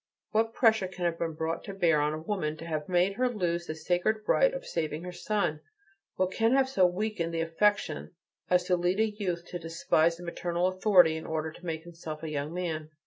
What pressure can have been brought to bear on a woman to have made her lose the sacred right of saving her son? and what can have so weakened affection as to lead a youth to despise the maternal authority in order to make himself a young man?